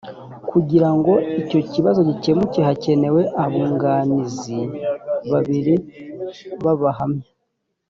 kugira ngo icyo kibazo gikemuke hakenewe abunganizi babiri b’abahamya